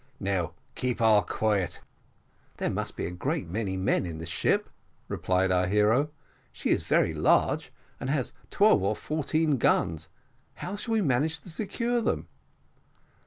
Now keep all quiet." "There must be a great many men in this ship," replied our hero; "she is very large, and has twelve or fourteen guns how shall we manage to secure them?"